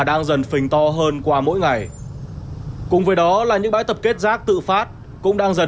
đang dần phình to hơn qua mỗi ngày cùng với đó là những bãi tập kết rác tự phát cũng đang dần